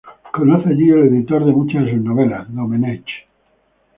Conoce allí al editor de muchas de sus novelas, Domenech.